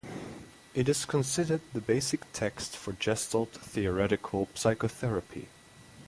It is considered the basic text for Gestalt Theoretical Psychotherapy.